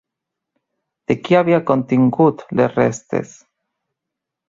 De qui havia contingut les restes?